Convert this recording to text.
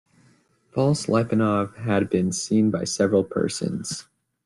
False-Laiponov had been seen by several persons.